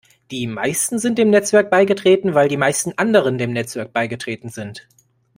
Die meisten sind dem Netzwerk beigetreten, weil die meisten anderen dem Netzwerk beigetreten sind.